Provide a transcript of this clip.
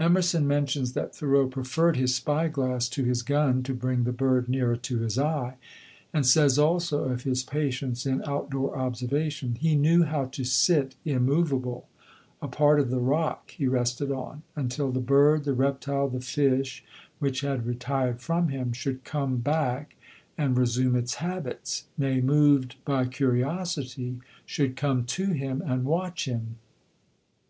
Emerson mentions that Thoreau preferred his spy glass to his gun to bring the bird nearer to his eye, and says also of his patience in out door observation: "He knew how to sit immovable, a part of the rock he rested on, until the bird, the reptile, the fish, which had retired from him, should come back and resume its habits, nay, moved by curiosity, should come to him and watch him."